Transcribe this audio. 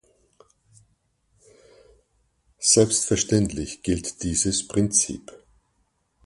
Selbstverständlich gilt dieses Prinzip.